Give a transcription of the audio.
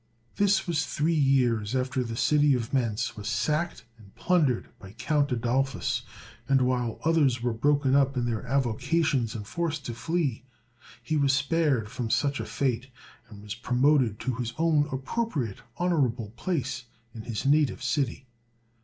This was three years after the city of Mentz was sacked and plundered by Count Adolphus; and while others were broken up in their avocations and forced to flee, he was spared from such a fate, and was promoted to his own appropriate honorable place in his native city.